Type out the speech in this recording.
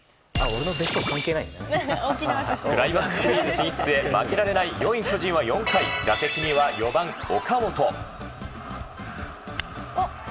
クライマックスシリーズ進出へ負けられない４位の巨人は４回打席には４番、岡本。